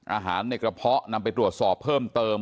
อาหารในกระเพาะนำไปตรวจสอบเพิ่มเติม